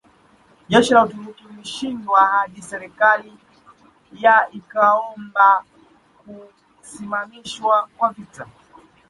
Jeshi la Uturuki lilishindwa hadi serikali ya ikaomba kusimamishwa kwa vita